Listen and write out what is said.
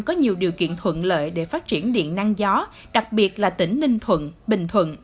có nhiều điều kiện thuận lợi để phát triển điện năng gió đặc biệt là tỉnh ninh thuận bình thuận